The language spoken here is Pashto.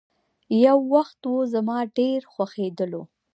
يو وخت وو، زما ډېر خوښيدلو.